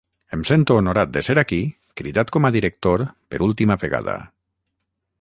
Em sento honorat de ser aquí cridat com a director per última vegada.